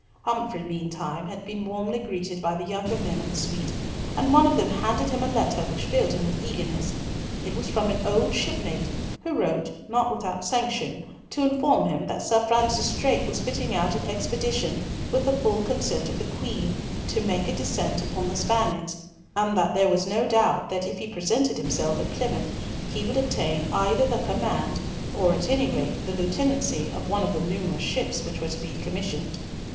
Humfrey meantime had been warmly greeted by the younger men of the suite, and one of them handed him a letter which filled him with eagerness. It was from an old shipmate, who wrote, not without sanction, to inform him that Sir Francis Drake was fitting out an expedition, with the full consent of the Queen, to make a descent upon the Spaniards, and that there was no doubt that if he presented himself at Plymouth, he would obtain either the command, or at any rate the lieutenancy, of one of the numerous ships which were to be commissioned.